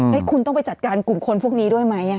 คุณต้องไปจัดการกลุ่มคนพวกนี้ด้วยไหม